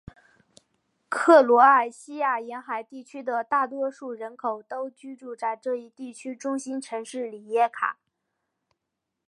克罗埃西亚沿海地区的大多数人口都居住在这一地区的中心城市里耶卡。